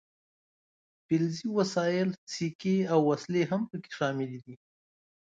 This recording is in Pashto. فلزي وسایل سیکې او وسلې هم پکې شاملې دي.